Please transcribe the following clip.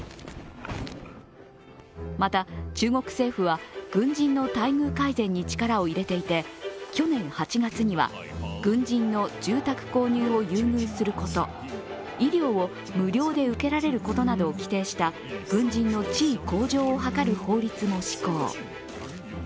また、中国政府は軍人の待遇改善に力を入れていて去年８月には、軍人の住宅購入を優遇すること医療を無料で受けられることなどを規定した軍人の地位向上を図る法律も施行。